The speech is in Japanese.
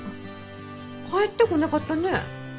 帰ってこなかったね。